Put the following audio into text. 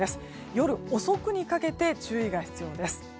夜遅くにかけて注意が必要です。